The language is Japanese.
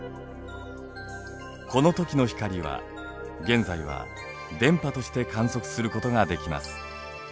このときの光は現在は電波として観測することができます。